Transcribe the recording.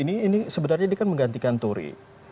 ini sebenarnya dia kan menggantikan torre